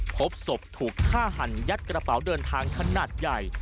พบศพถูกฆ่าหันยัดกระเป๋าเดินทางขนาดใหญ่